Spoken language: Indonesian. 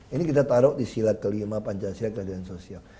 ini kita taruh di silat kelima pancasila keadilan sosial